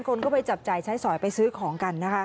คนก็ไปจับจ่ายใช้สอยไปซื้อของกันนะคะ